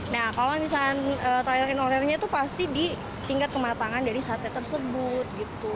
nah kalau misalkan trial and order nya itu pasti di tingkat kematangan dari sate tersebut